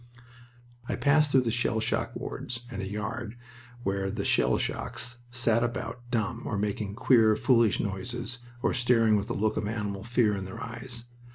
I passed through the shell shock wards and a yard where the "shell shocks" sat about, dumb, or making queer, foolish noises, or staring with a look of animal fear in their eyes.